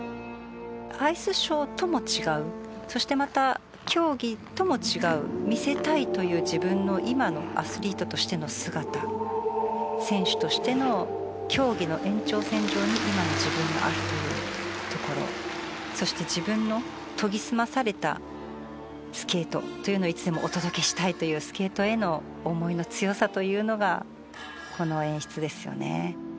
アイスショーとも違うそしてまた競技とも違う見せたいという自分の今のアスリートとしての姿選手としての競技の延長線上に今の自分があるというところそして自分の研ぎ澄まされたスケートというのをいつでもお届けしたいというスケートへの思いの強さというのがこの演出ですよね。